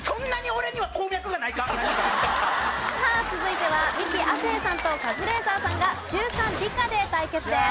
さあ続いてはミキ亜生さんとカズレーザーさんが中３理科で対決です。